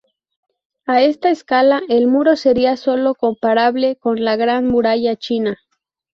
A esta escala, el muro sería sólo comparable con la Gran Muralla China.